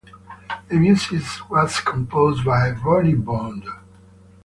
The music was composed by Ronnie Bond.